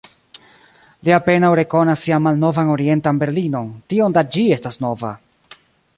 Li apenaŭ rekonas sian malnovan Orientan Berlinon, tiom da ĝi estas nova.